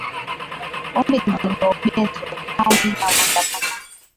ombi lililo bezwa vikali na waandamanaji